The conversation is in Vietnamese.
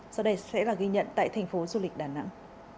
sau đây sẽ là ghi nhận tại thành phố du lịch đà nẵng